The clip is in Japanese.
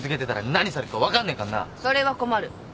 それは困る。